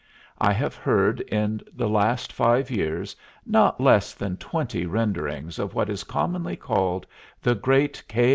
I have heard in the last five years not less than twenty renderings of what is commonly called "the great K.